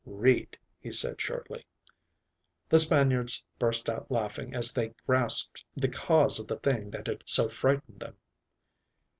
"Read," he said shortly. The Spaniards burst out laughing as they grasped the cause of the thing that had so frightened them.